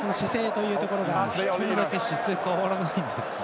一人だけ姿勢が変わらないんですよ。